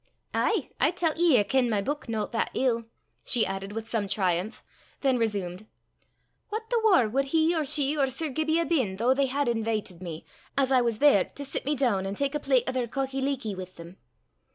Ay! I tellt ye I kent my beuk no that ill!" she added with some triumph; then resumed: "What the waur wad he or she or Sir Gibbie hae been though they hed inveetit me, as I was there, to sit me doon, an' tak' a plet o' their cockie leekie wi' them?